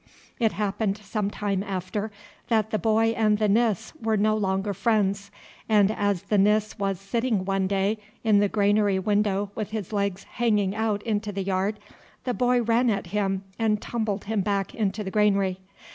It happened, some time after, that the boy and the Nis were no longer friends, and as the Nis was sitting one day in the granary window with his legs hanging out into the yard, the boy ran at him and tumbled him back into the granary.